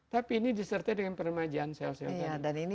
tapi ini disertai dengan permajaan sel sel tadi